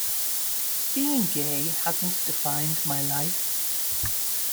Being gay hasn't defined my life.